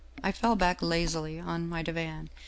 " I fell back lazily on my divan.